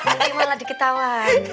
mungkin malah diketawa